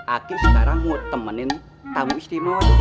aki sekarang mau temenin tamu istimun